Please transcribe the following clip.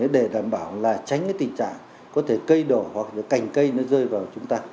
để đảm bảo là tránh cái tình trạng có thể cây đổ hoặc là cành cây nó rơi vào chúng ta